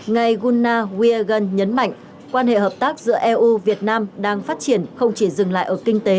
ngài guna wiegun nhấn mạnh quan hệ hợp tác giữa eu việt nam đang phát triển không chỉ dừng lại ở kinh tế